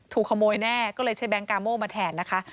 ถูกขโมยแน่ก็เลยใช้แบงก์กามโมมาแทนนะคะอ่า